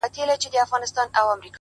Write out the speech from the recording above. مثبت چلند ناامیدي کمزورې کوي,